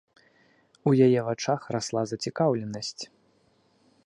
У яе вачах расла зацікаўленасць.